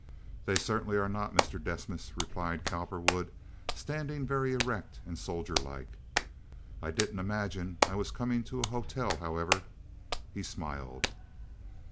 "They certainly are not, Mr. Desmas," replied Cowperwood, standing very erect and soldier like. "I didn't imagine I was coming to a hotel, however." He smiled.